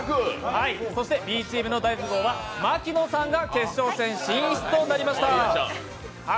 そしてＢチームの大富豪は牧野さんが決勝戦進出となりました。